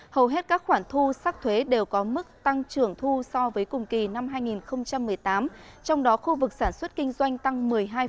hầu hết các khoản thu sắc thuế đều có mức tăng trưởng thu so với cùng kỳ năm hai nghìn một mươi tám trong đó khu vực sản xuất kinh doanh tăng một mươi hai